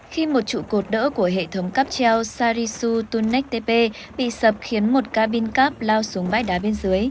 khi một trụ cột đỡ của hệ thống cắp treo sarisu tunek tp bị sập khiến một ca bin cắp lao xuống bãi đá bên dưới